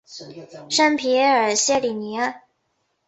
圣皮耶尔谢里尼亚。